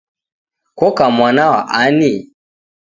Koka mwana wa ani?